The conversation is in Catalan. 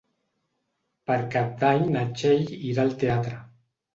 Per Cap d'Any na Txell irà al teatre.